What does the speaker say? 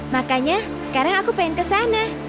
makanya sekarang aku pengen ke sana